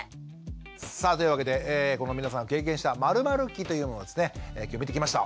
さあというわけでこの皆さん経験した○○期というのをですね今日見てきました。